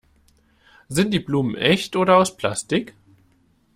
Sind die Blumen echt oder aus Plastik?